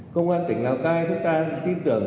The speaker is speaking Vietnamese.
công an tỉnh lào cai chúng ta tin tưởng